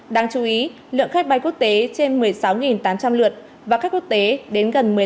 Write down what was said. đáng chú ý lượng khách bay quốc tế trên một mươi sáu tám trăm linh lượt và khách quốc tế đến gần một mươi năm